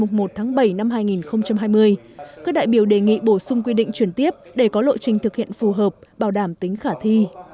các đại biểu đề nghị bổ sung quy định chuyển tiếp để có lộ trình thực hiện phù hợp bảo đảm tính khả thi